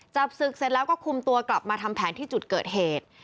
จับศึกเสร็จแล้วก็คุมตัวกลับมาทำแผนที่จุดเกิดเหตุ